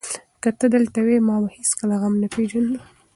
که ته دلته وای، ما به هېڅکله غم نه پېژانده.